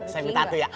saya minta atu ya